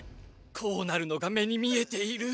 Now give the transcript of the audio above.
こうなるのが目に見えている。